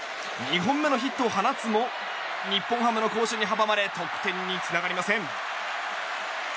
２本目のヒットを放つも日本ハムの好守に阻まれ得点につながりません。